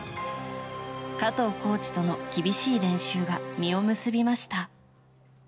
加藤コーチとの厳しい練習が実を結びました。